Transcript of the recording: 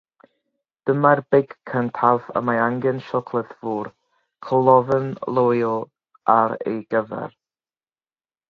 Dyma'r beic cyntaf y mae angen siocleddfwr colofn lywio ar ei gyfer.